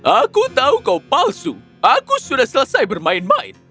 aku tahu kau palsu aku sudah selesai bermain main